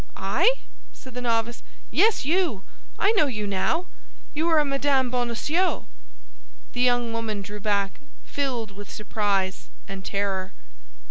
"I?" said the novice. "Yes, you! I know you now. You are Madame Bonacieux!" The young woman drew back, filled with surprise and terror.